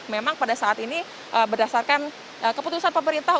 memang pada saat ini berdasarkan keputusan pemerintah